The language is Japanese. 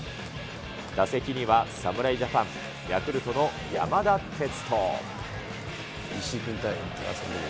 打席には侍ジャパン、ヤクルトの山田哲人。